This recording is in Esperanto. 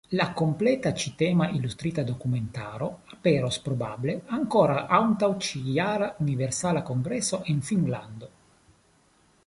La kompleta ĉi-tema ilustrita dokumentaro aperos probable ankoraŭ antaŭ ĉi-jara Universala Kongreso en Finnlando.